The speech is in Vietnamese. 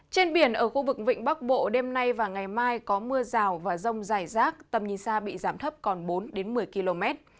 trên biển ở khu vực vịnh bắc bộ đêm nay và ngày mai có mưa rào và rông dài rác tầm nhìn xa bị giảm thấp còn bốn một mươi km